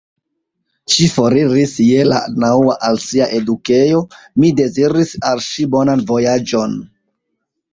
Ŝi foriris je la naŭa al sia edukejo; mi deziris al ŝi bonan vojaĝon.